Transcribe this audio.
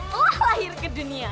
telah lahir ke dunia